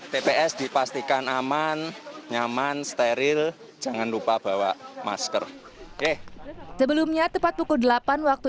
tps dipastikan aman nyaman steril jangan lupa bawa masker oke sebelumnya tepat pukul delapan waktu